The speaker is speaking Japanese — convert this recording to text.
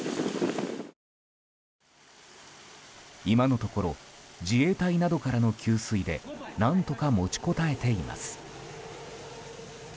今のところ自衛隊などからの給水で何とか持ちこたえています。